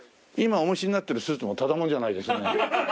今お召しになってるスーツもただものじゃないですね。